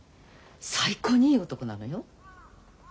最高にいい男なのよ。